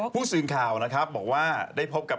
ผู้ซึงข่าวได้พบกับ